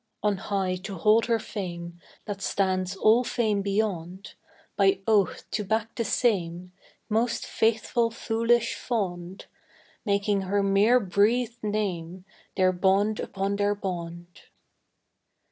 (On high to hold her fame That stands all fame beyond, By oath to back the same, Most faithful foolish fond; Making her mere breathed name Their bond upon their bond.)